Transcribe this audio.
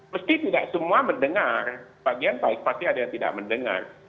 mesti tidak semua mendengar bagian baik pasti ada yang tidak mendengar